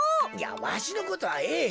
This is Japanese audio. わしのことはええ。